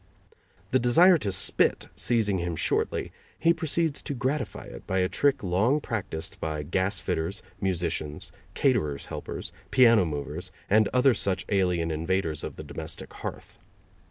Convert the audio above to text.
The desire to spit seizing him shortly, he proceeds to gratify it by a trick long practised by gasfitters, musicians, caterer's helpers, piano movers and other such alien invaders of the domestic hearth.